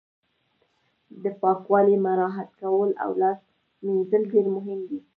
د پاکوالي مراعت کول او لاس مینځل ډیر مهم دي